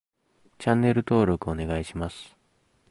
チャンネル登録お願いします